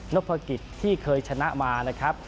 พกิจที่เคยชนะมานะครับ